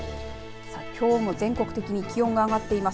きょうも全国的に気温が上がっています。